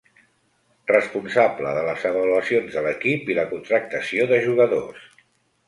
Responsable de les avaluacions de l'equip i la contractació de jugadors.